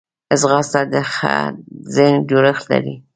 ځغاسته د ښه ذهن جوړښت لري